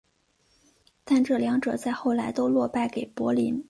但这两者在后来都落败给柏林。